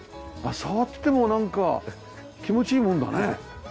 触ってもなんか気持ちいいもんだね。